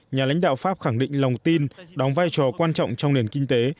nhà lãnh đạo pháp khẳng định lòng tin đóng vai trò quan trọng trong nền kinh tế